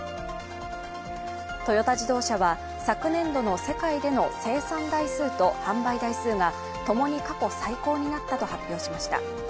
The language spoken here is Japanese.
トヨタ自動車は、昨年度の世界での生産台数と販売台数がともに過去最高になったと発表しました。